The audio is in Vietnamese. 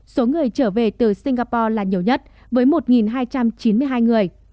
số người trở về từ singapore là nhiều nhất với một hai trăm chín mươi hai người